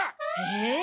え